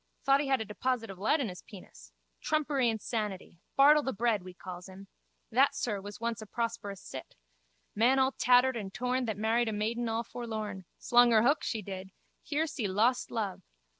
Thought he had a deposit of lead in his penis. Trumpery insanity. Bartle the Bread we calls him. That, sir, was once a prosperous cit. Man all tattered and torn that married a maiden all forlorn. Slung her hook, she did. Here see lost love.